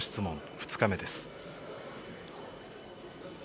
２日目です。